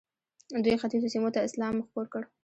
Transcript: دوی ختیځو سیمو ته اسلام خپور کړ.